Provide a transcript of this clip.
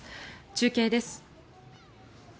中継です。